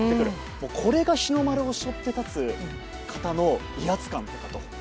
これが日の丸を背負って立つ方の威圧感なのかと。